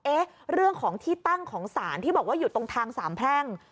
เอ๊ะเรื่องของที่ตั้งของศาลที่บอกว่าอยู่ตรงทางสามแพร่ง